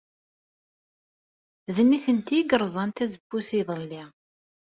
D nitenti ay yerẓan tazewwut iḍelli.